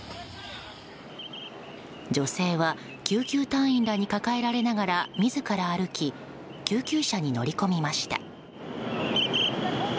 女性は救急隊員らに抱えられながら自ら歩き救急車に乗り込みました。